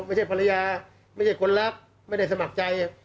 ภรรยาไม่ใช่คนรับไม่ได้สมัครใจ